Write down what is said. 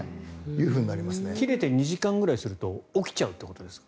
切れて２時間ぐらいすると起きちゃうってことですか。